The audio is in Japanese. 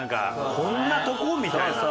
こんなとこ？みたいな。